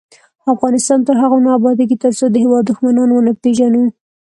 افغانستان تر هغو نه ابادیږي، ترڅو د هیواد دښمنان ونه پیژنو.